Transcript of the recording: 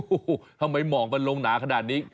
โอ้โหทำไมหมอกมันลงหนาขนาดนี้